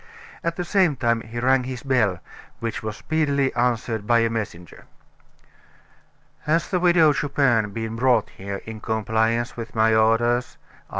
At the same time he rang his bell; which was speedily answered by a messenger. "Has the Widow Chupin been brought here, in compliance with my orders?" asked M.